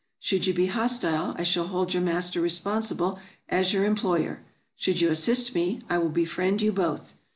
Should you be hostile, I shall hold your master responsible as your employer. Should you assist me, I will befriend you both.